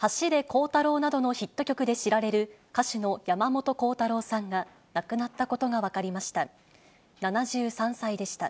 コウタローなどのヒット曲で知られる、歌手の山本コウタローさんが亡くなったことが分かりました。